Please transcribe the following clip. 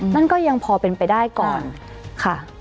นั่นก็ยังพอเป็นไปได้ก่อนค่ะ